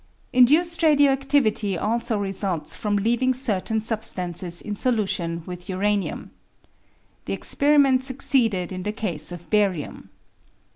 Induced radio adivity also results from leaving certain substances in solution with uranium. The experiment succeeded in the case of barium.